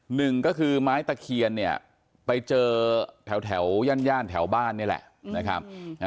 หนึ่งก็คือไม้ตะเคียนเนี่ยไปเจอแถวย่านแถวบ้านนี่แหละนะครับ